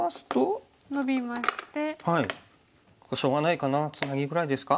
しょうがないかなツナギぐらいですか？